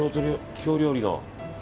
京料理の。